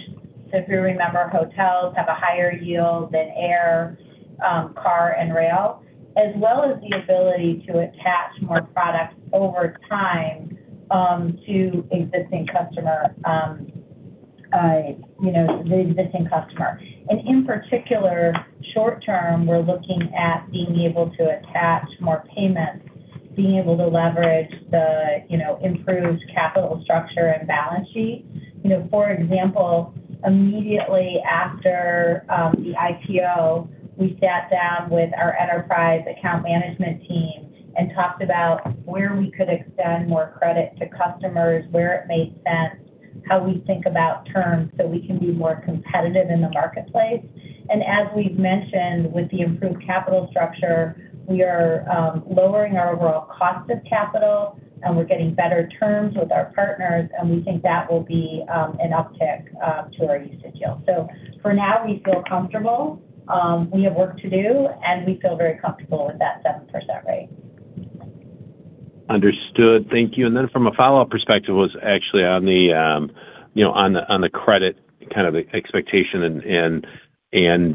So if you remember, hotels have a higher yield than air, car, and rail, as well as the ability to attach more products over time to existing customers, the existing customer. In particular, short term, we're looking at being able to attach more payments, being able to leverage the improved capital structure and balance sheet. For example, immediately after the IPO, we sat down with our enterprise account management team and talked about where we could extend more credit to customers, where it made sense, how we think about terms so we can be more competitive in the marketplace. And as we've mentioned, with the improved capital structure, we are lowering our overall cost of capital, and we're getting better terms with our partners, and we think that will be an uptick to our usage yield. For now, we feel comfortable. We have work to do, and we feel very comfortable with that 7% rate. Understood. Thank you. From a follow-up perspective, it was actually on the credit kind of expectation and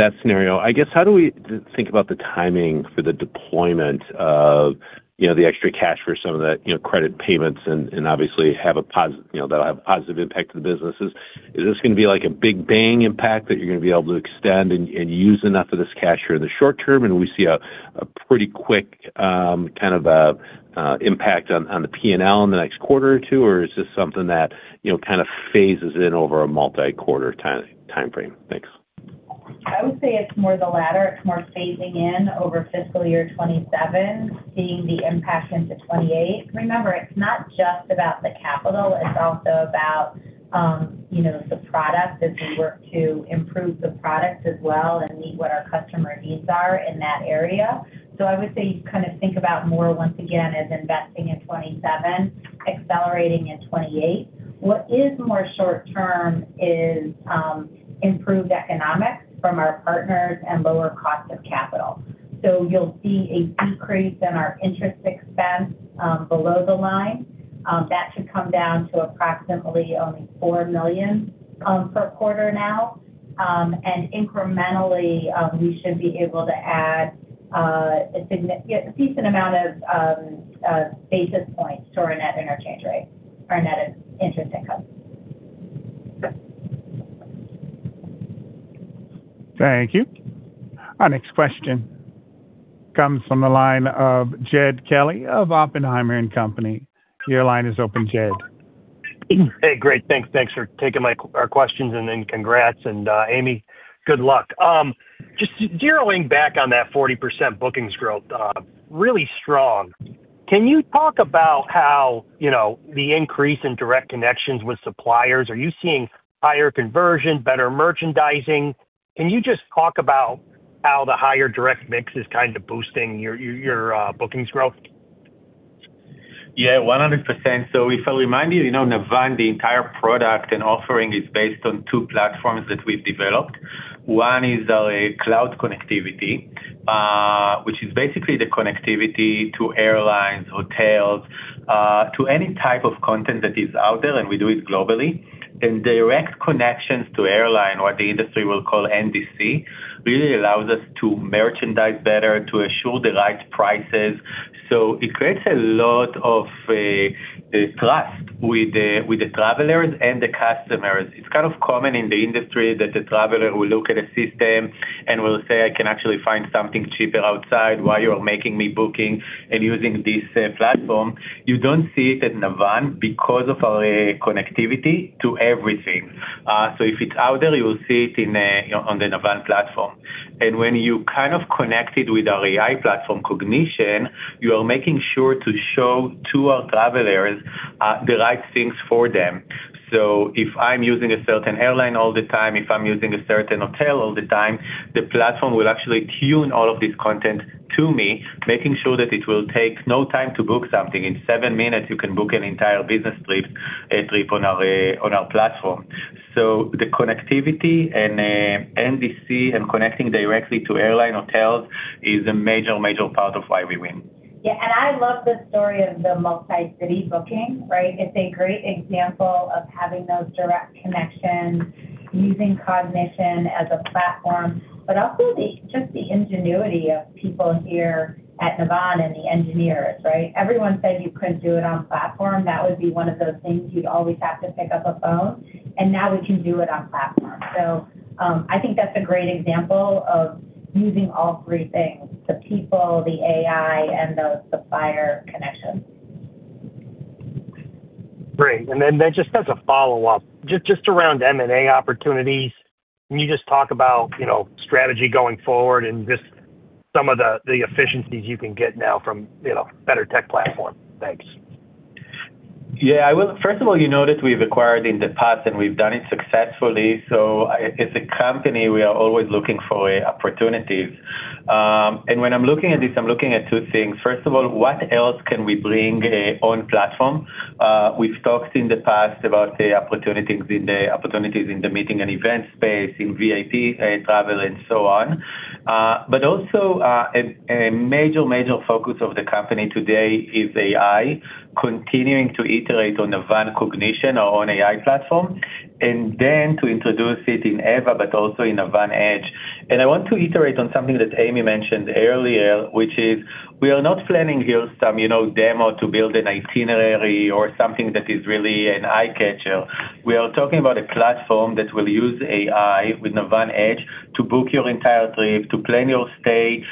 that scenario. I guess, how do we think about the timing for the deployment of the extra cash for some of the credit payments and obviously have a positive that'll have a positive impact to the businesses? Is this going to be like a big bang impact that you're going to be able to extend and use enough of this cash here in the short term, and we see a pretty quick kind of impact on the P&L in the next quarter or two, or is this something that kind of phases in over a multi-quarter timeframe? Thanks. I would say it's more the latter. It's more phasing in over fiscal year 2027, seeing the impact into 2028. Remember, it's not just about the capital. It's also about the product as we work to improve the product as well and meet what our customer needs are in that area. So I would say you kind of think about more once again as investing in 2027, accelerating in 2028. What is more short-term is improved economics from our partners and lower cost of capital. So you'll see a decrease in our interest expense below the line. That should come down to approximately only $4 million per quarter now. And incrementally, we should be able to add a decent amount of basis points to our net interchange rate, our net interest income. Thank you. Our next question comes from the line of Jed Kelly of Oppenheimer & Company. Your line is open, Jed. Hey, great. Thanks. Thanks for taking our questions, and congrats. And Amy, good luck. Just zeroing back on that 40% bookings growth, really strong. Can you talk about how the increase in direct connections with suppliers? Are you seeing higher conversion, better merchandising? Can you just talk about how the higher direct mix is kind of boosting your bookings growth? Yeah, 100%. So if I remind you, Navan, the entire product and offering is based on two platforms that we've developed. One is our cloud connectivity, which is basically the connectivity to airlines, hotels, to any type of content that is out there, and we do it globally. And direct connections to airline, what the industry will call NDC, really allows us to merchandise better, to assure the right prices. So it creates a lot of trust with the travelers and the customers. It's kind of common in the industry that the traveler will look at a system and will say, "I can actually find something cheaper outside. Why are you making me booking and using this platform?" You don't see it at Navan because of our connectivity to everything. So if it's out there, you'll see it on the Navan platform. And when you kind of connect it with our AI platform, Cognition, you are making sure to show to our travelers the right things for them. So if I'm using a certain airline all the time, if I'm using a certain hotel all the time, the platform will actually tune all of this content to me, making sure that it will take no time to book something. In seven minutes, you can book an entire business trip on our platform. So the connectivity and NDC and connecting directly to airline hotels is a major, major part of why we win. Yeah. And I love the story of the multi-city booking, right? It's a great example of having those direct connections using Cognition as a platform, but also just the ingenuity of people here at Navan and the engineers, right? Everyone said you couldn't do it on platform. That would be one of those things you'd always have to pick up a phone. And now we can do it on platform. So I think that's a great example of using all three things: the people, the AI, and those supplier connections. Great. And then just as a follow-up, just around M&A opportunities, can you just talk about strategy going forward and just some of the efficiencies you can get now from better tech platform? Thanks. Yeah. First of all, you noticed we've acquired in the past, and we've done it successfully. So as a company, we are always looking for opportunities. And when I'm looking at this, I'm looking at two things. First of all, what else can we bring on platform? We've talked in the past about the opportunities in the meeting and event space, in VIP travel, and so on. But also, a major, major focus of the company today is AI, continuing to iterate on Navan Cognition, our own AI platform, and then to introduce it in Ava, but also in Navan Edge. And I want to iterate on something that Amy mentioned earlier, which is we are not planning here some demo to build an itinerary or something that is really an eye-catcher. We are talking about a platform that will use AI with Navan Edge to book your entire trip, to plan your stay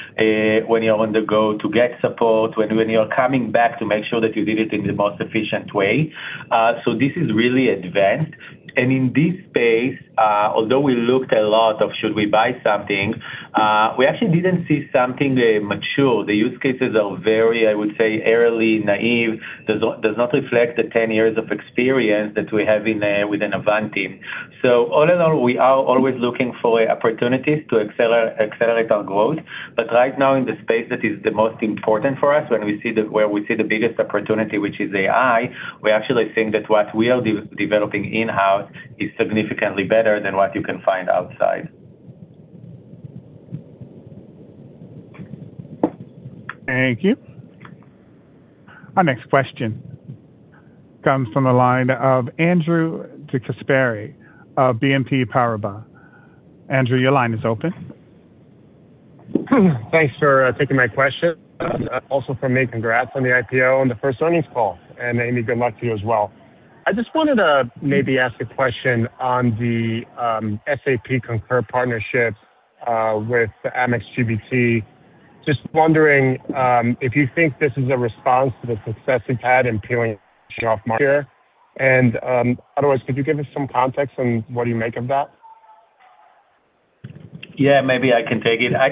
when you're on the go, to get support when you're coming back, to make sure that you did it in the most efficient way. So this is really advanced. And in this space, although we looked a lot of, "Should we buy something?" we actually didn't see something mature. The use cases are very, I would say, early, naive. It does not reflect the 10 years of experience that we have with the Navan team. So all in all, we are always looking for opportunities to accelerate our growth. But right now, in the space that is the most important for us, where we see the biggest opportunity, which is AI, we actually think that what we are developing in-house is significantly better than what you can find outside. Thank you. Our next question comes from the line of Andrew DeGasperi, BNP Paribas. Andrew, your line is open. Thanks for taking my question. Also from me, congrats on the IPO and the first earnings call. And Amy, good luck to you as well. I just wanted to maybe ask a question on the SAP Concur partnership with Amex GBT. Just wondering if you think this is a response to the success we've had in peeling off here. And otherwise, could you give us some context on what do you make of that? Yeah, maybe I can take it. I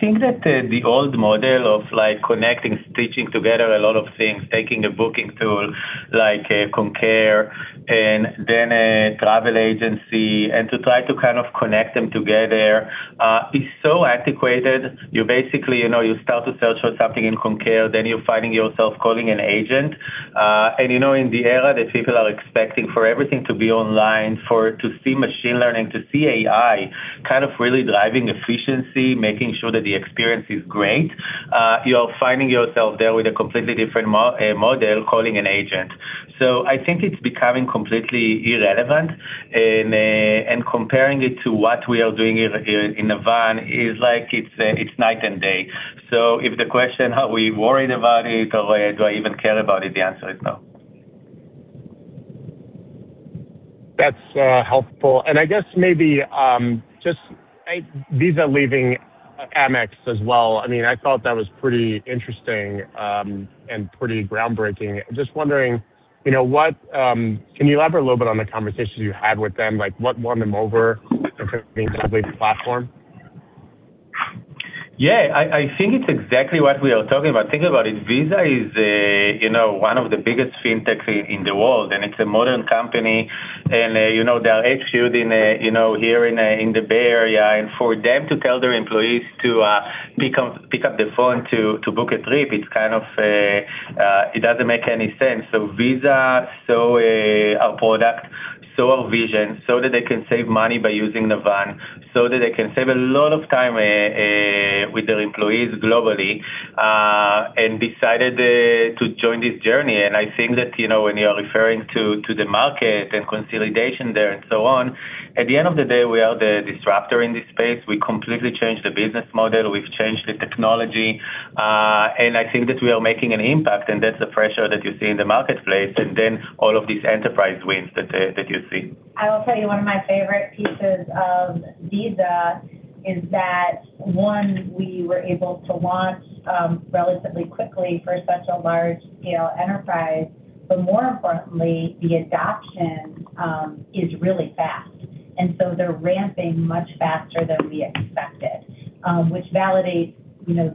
think that the old model of connecting, stitching together a lot of things, taking a booking tool like Concur and then a travel agency and to try to kind of connect them together is so antiquated. You basically start to search for something in Concur, then you're finding yourself calling an agent. In the era that people are expecting for everything to be online, to see machine learning, to see AI kind of really driving efficiency, making sure that the experience is great, you're finding yourself there with a completely different model calling an agent. I think it's becoming completely irrelevant. Comparing it to what we are doing in Navan is like it's night and day. If the question, "Are we worried about it? Or do I even care about it?" the answer is no. That's helpful. I guess maybe just these are leaving Amex as well. I mean, I thought that was pretty interesting and pretty groundbreaking. Just wondering, can you elaborate a little bit on the conversations you had with them? What won them over to being a lovely platform? Yeah. I think it's exactly what we are talking about. Think about it. Visa is one of the biggest fintechs in the world, and it's a modern company. They are executing here in the Bay Area. For them to tell their employees to pick up the phone to book a trip, it kind of doesn't make any sense, so Visa, so our product, so our vision, so that they can save money by using Navan, so that they can save a lot of time with their employees globally, and decided to join this journey. I think that when you are referring to the market and consolidation there and so on, at the end of the day, we are the disruptor in this space. We completely changed the business model. We've changed the technology. I think that we are making an impact, and that's the pressure that you see in the marketplace and then all of these enterprise wins that you see. I will tell you one of my favorite pieces of Visa is that, one, we were able to launch relatively quickly for such a large-scale enterprise. But more importantly, the adoption is really fast. And so they're ramping much faster than we expected, which validates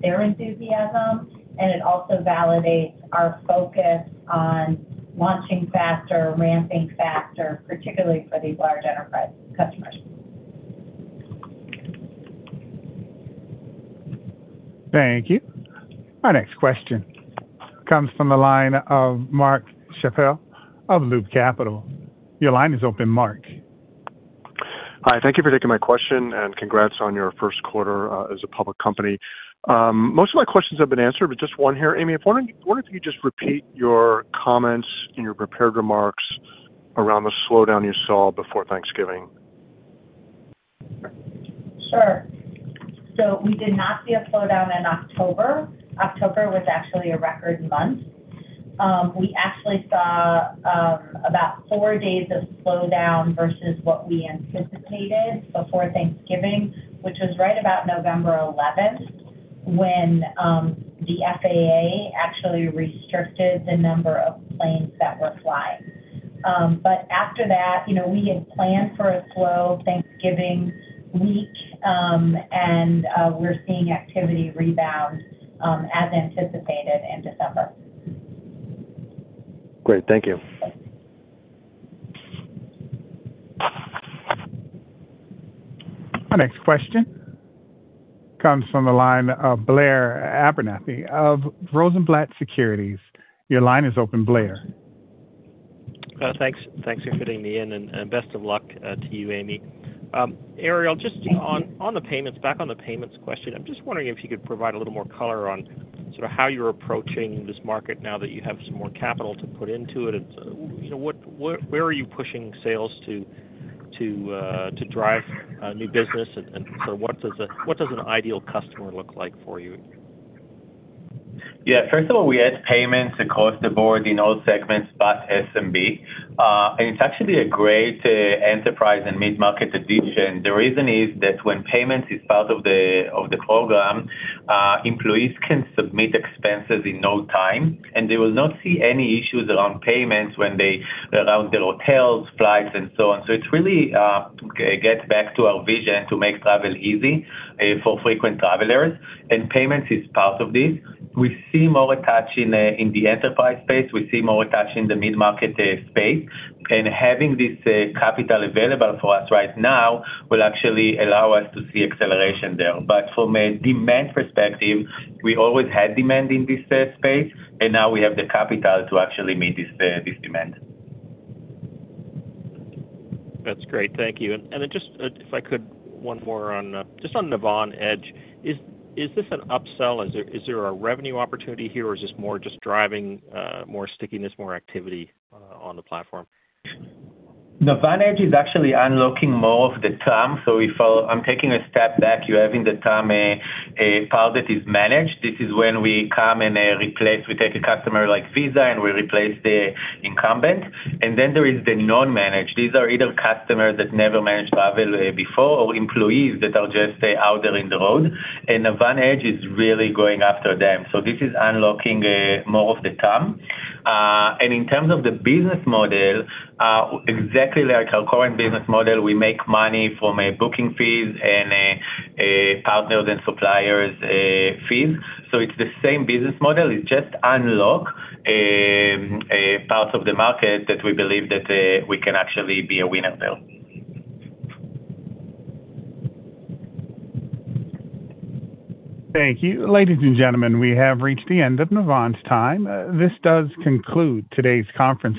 their enthusiasm, and it also validates our focus on launching faster, ramping faster, particularly for these large enterprise customers. Thank you. Our next question comes from the line of Mark Schappel of Loop Capital. Your line is open, Mark. Hi. Thank you for taking my question, and congrats on your first quarter as a public company. Most of my questions have been answered, but just one here. Amy, I wonder if you could just repeat your comments and your prepared remarks around the slowdown you saw before Thanksgiving. Sure. So we did not see a slowdown in October. October was actually a record month. We actually saw about four days of slowdown versus what we anticipated before Thanksgiving, which was right about November 11th when the FAA actually restricted the number of planes that were flying. But after that, we had planned for a slow Thanksgiving week, and we're seeing activity rebound as anticipated in December. Great. Thank you. Our next question comes from the line of Blair Abernethy of Rosenblatt Securities. Your line is open, Blair. Thanks for fitting me in, and best of luck to you, Amy. Ariel, just on the payments, back on the payments question, I'm just wondering if you could provide a little more color on sort of how you're approaching this market now that you have some more capital to put into it. Where are you pushing sales to drive new business, and sort of what does an ideal customer look like for you? Yeah. First of all, we add payments across the board in all segments plus SMB, and it's actually a great enterprise and mid-market addition. The reason is that when payments is part of the program, employees can submit expenses in no time, and they will not see any issues around payments when they're around their hotels, flights, and so on, so it really gets back to our vision to make travel easy for frequent travelers, and payments is part of this. We see more attaching in the enterprise space. We see more attaching in the mid-market space. And having this capital available for us right now will actually allow us to see acceleration there. But from a demand perspective, we always had demand in this space, and now we have the capital to actually meet this demand. That's great. Thank you. And then just if I could, one more on Navan Edge. Is this an upsell? Is there a revenue opportunity here, or is this more just driving more stickiness, more activity on the platform? Navan Edge is actually unlocking more of the TAM. So if I'm taking a step back, you're having the TAM part that is managed. This is when we come and replace. We take a customer like Visa, and we replace the incumbent. And then there is the non-managed. These are either customers that never managed travel before or employees that are just out there on the road. And Navan Edge is really going after them. So this is unlocking more of the TAM. And in terms of the business model, exactly like our current business model, we make money from booking fees and partners and suppliers' fees. So it's the same business model. It's just unlock parts of the market that we believe that we can actually be a winner there. Thank you. Ladies and gentlemen, we have reached the end of Navan's time. This does conclude today's conference.